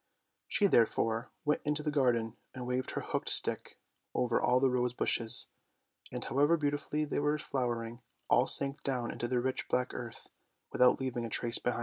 She therefore went into the garden and waved her hooked stick over all the rose bushes, and however beautifully they were flowering, all sank down into the rich black earth without leaving a trace behind them.